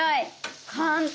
簡単！